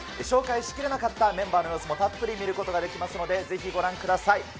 紹介しきれなかったメンバーの様子もたっぷり見ることができますので、ぜひご覧ください。